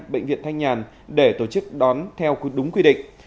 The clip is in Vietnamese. bệnh viện thanh nhàn để tổ chức đón theo đúng quy định